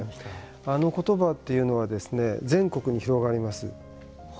あの言葉というのは全国に広がります。